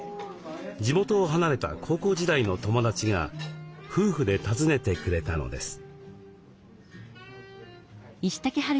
地元を離れた高校時代の友達が夫婦で訪ねてくれたのです。